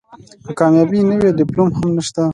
که کامیابي نه وي ډیپلوم هم نشته .